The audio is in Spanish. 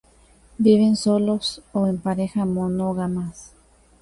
Viven solos o en parejas monógamas.